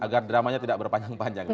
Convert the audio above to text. agar dramanya tidak berpanjang panjang